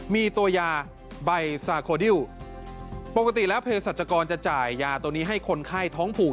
มีตัวยาใบซาโคดิลปกติแล้วเพศรัชกรจะจ่ายยาตัวนี้ให้คนไข้ท้องผูก